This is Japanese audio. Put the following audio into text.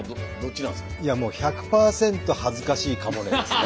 いやもう１００％恥ずかしいかもねですね。